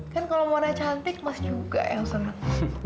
kan kalau warna cantik mas juga yang senang